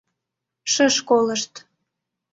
Шыш колышт.